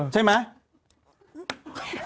ใช่มั้ย